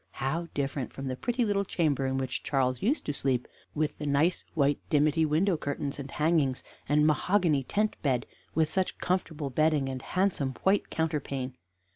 How different from the pretty little chamber in which Charles used to sleep, with the nice white dimity window curtains and hangings and mahogany tent bed, with such comfortable bedding and handsome white counterpane!